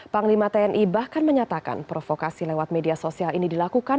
panglima tni bahkan menyatakan provokasi lewat media sosial ini dilakukan